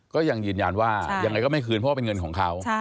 ก็ยังยืนยันว่ายังไงก็ไม่คืนเพราะว่าเป็นเงินของเขา